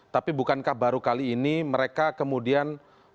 tapi bukankah baru kali ini mereka kemudian